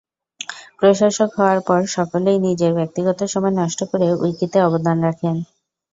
প্রশাসক হওয়ার পর সকলেই নিজের ব্যক্তিগত সময় নষ্ট করে উইকিতে অবদান রাখেন।